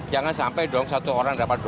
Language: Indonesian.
jangan sampai dong satu orang dapat